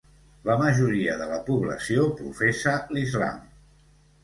La majoria de la població professa l'Islam.